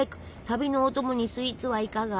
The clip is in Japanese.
旅のお供にスイーツはいかが？